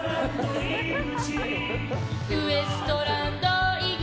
ウエストランド井口。